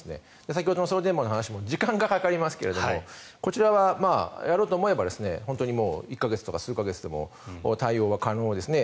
先ほどの送電網の話も時間がかかりますがこちらはやろうと思えば本当に１か月とか数か月でも対応は可能ですね。